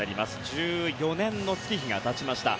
１４年の月日がたちました。